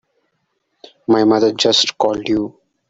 My mother just called you?